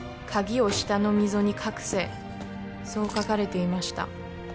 鍵を下の溝に隠せそう書かれていました